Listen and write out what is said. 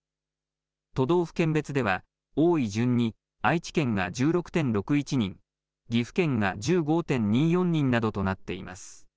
都道府県別では、多い順に愛知県が１６．６１人岐阜県が１５．２４人などとなっています。